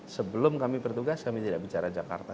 sebelum kami bertugas kami tidak bicara jakarta